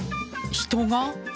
人が！